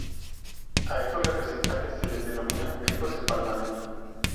A estos representantes se les denomina "miembros del parlamento".